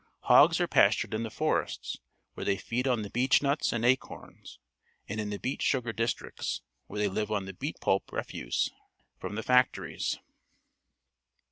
Hogs are pastured in the forests, where they feed on the beech nuts and acorns, and in the beet sugar districts, where they live on the beet pulp refuse from the factories.